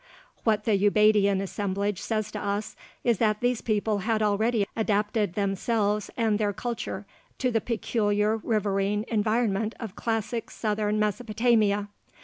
What the Ubaidian assemblage says to us is that these people had already adapted themselves and their culture to the peculiar riverine environment of classic southern Mesopotamia.